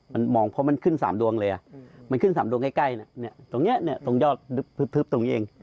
มันมองเพราะมันขึ้น๓ดวงเลยมันขึ้น๓ดวงใกล้ตรงนี้ตรงยอดพึบตรงนี้เอง